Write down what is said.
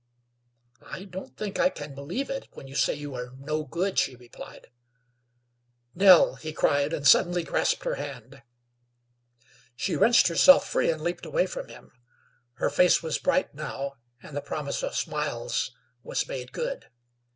"I don't think I can believe it, when you say you are 'no good,'" she replied. "Nell," he cried, and suddenly grasped her hand. She wrenched herself free, and leaped away from him. Her face was bright now, and the promise of smiles was made good.